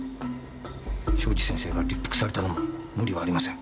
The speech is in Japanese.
庄司先生が立腹されたのも無理はありません。